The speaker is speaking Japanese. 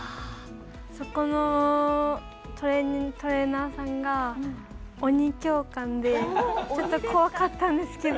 そこのトレーナーさんが鬼教官でちょっと怖かったんですけど。